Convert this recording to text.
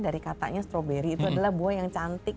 dari katanya stroberi itu adalah buah yang cantik